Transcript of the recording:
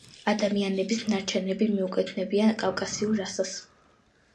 ადამიანების ნარჩენები მიეკუთვნებიან კავკასიურ რასას.